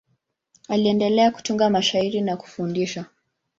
Aliendelea kutunga mashairi na kufundisha.